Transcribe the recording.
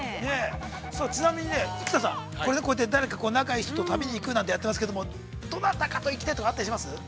さあちなみにね、生田さん、誰か仲いい人と旅に行くとやってますけれどもどなたかと行きたいとかあります？